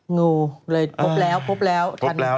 งุเลยพบแล้ว